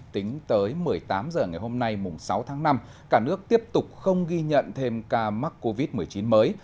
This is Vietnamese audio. tính tới một mươi tám h ngày hôm nay mùng sáu tháng năm cả nước tiếp tục không ghi nhận thêm ca mắc covid một mươi chín mới